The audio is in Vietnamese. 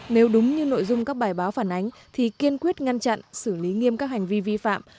nếu đúng như nội dung các bài báo phản ánh thì kiên quyết ngăn chặn xử lý nghiêm các hành vi vi phạm